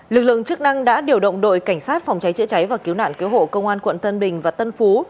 lực lượng chức năng đã điều động đội cảnh sát phòng cháy chữa cháy và cứu nạn cứu hộ công an quận tân bình và tân phú